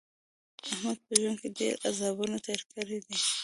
احمد په ژوند کې ډېر عذابونه تېر کړي دي.